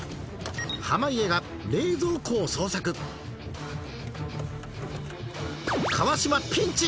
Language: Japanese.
濱家が冷蔵庫を捜索川島ピンチ！